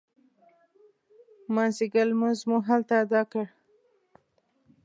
مازدیګر لمونځ مو هلته اداء کړ.